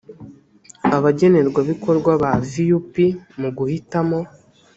abagenerwabikorwa ba vup mu guhitamo